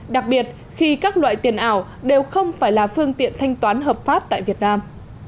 đặc biệt khi các loại tiền ảo đều không phải là phương tiện thanh toán hợp pháp tại việt nam